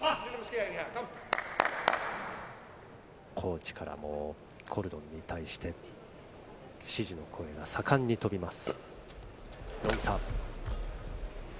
コーチからもコルドンに対して、指示の声が盛んに飛びます。